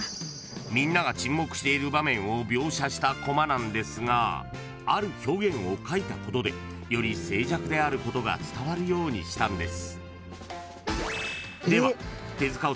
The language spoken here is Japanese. ［みんなが沈黙している場面を描写したコマなんですがある表現を書いたことでより静寂であることが伝わるようにしたんです］